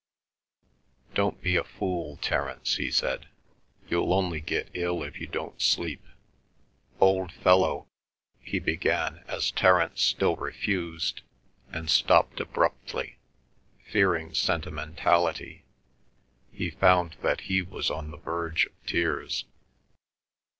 "Don't be a fool, Terence," he said. "You'll only get ill if you don't sleep." "Old fellow," he began, as Terence still refused, and stopped abruptly, fearing sentimentality; he found that he was on the verge of tears.